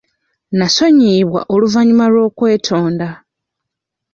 Nasonyiyibwa oluvannyuma lw'okwetonda.